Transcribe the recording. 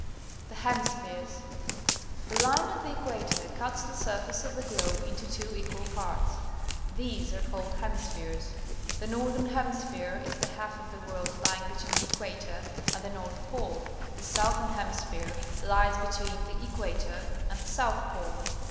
The Hemispheres. — The line of the equa tor cuts the surface of the globe into two equal parts. These are called Hemispheres. The Northern Hemisphere is the half of the world lying between the equator and the north pole. The Southern Hemisphere lies between the equator and the south pole.